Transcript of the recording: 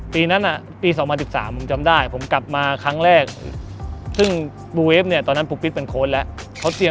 ปีนั้นปี๒๐๑๓ผมจำได้